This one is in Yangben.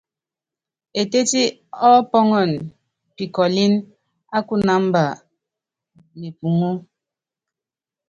Etéti ɔ́pɔ́ŋɔn pikɔlɛ́n á kunamba mepuŋú.